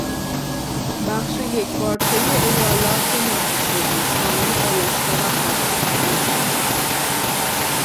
بخش یکپارچهی ایالات متحده شامل آلاسکا و هاوایی نمیشود.